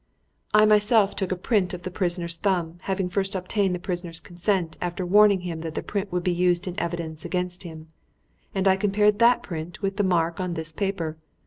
"I myself took a print of the prisoner's thumb having first obtained the prisoner's consent after warning him that the print would be used in evidence against him and I compared that print with the mark on this paper.